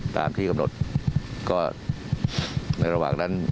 ตามที่กำหนดก็ในระหว่างนั้น